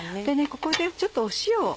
ここでちょっと塩を。